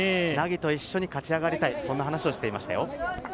凪と一緒に勝ち上がりたい、そんな話をしていました。